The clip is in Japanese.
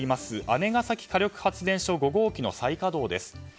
姉崎火力発電所５号機の再稼働です。